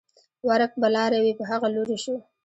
ورک به لاروی په هغه لوري شو